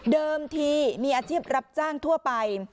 ทีมีอาชีพรับจ้างทั่วไป